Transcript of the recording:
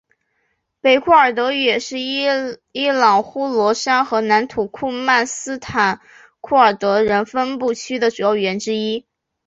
北库尔德语也是伊朗呼罗珊和南土库曼斯坦库尔德人分布区的主要语言之一。